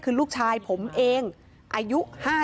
คือลูกชายผมเองอายุ๕๐